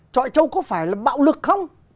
trọi trâu có phải là bạo lực không